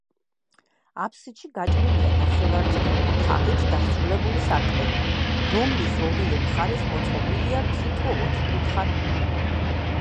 აფსიდში გაჭრილია ნახევარწრიული თაღით დასრულებული სარკმელი რომლის ორივე მხარეს მოწყობილია თითო ოთხკუთხა ნიშა.